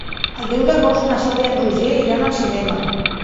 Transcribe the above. El deu d'agost na Sol i en Roger iran al cinema.